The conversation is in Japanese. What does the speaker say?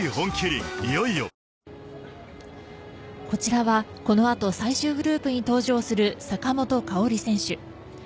こちらは、この後最終グループに登場する坂本花織選手。